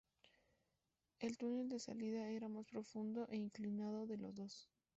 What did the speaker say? El túnel de salida era el más profundo e inclinado de los dos.